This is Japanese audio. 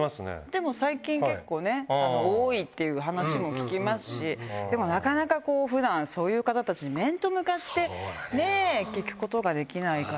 でも最近、結構ね、多いっていう話も聞きますし、でもなかなかこう、ふだん、そういう方たち、面と向かって、ねえ、聞くことができないから。